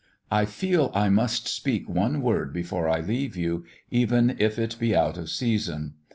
"I feel I must speak one word before I leave you, even if it be out of season.